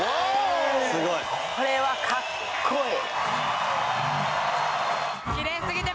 すごいこれはかっこいい！